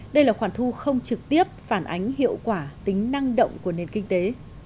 đây là khoản thu không trực tiếp phản ánh hiệu quả tính năng động của nền kinh tế